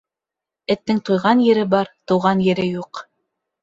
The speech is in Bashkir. Эттең туйған ере бар, тыуған ере юҡ.